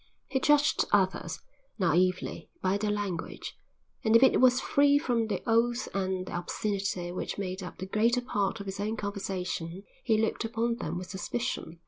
He judged others, naïvely, by their language, and if it was free from the oaths and the obscenity which made up the greater part of his own conversation, he looked upon them with suspicion.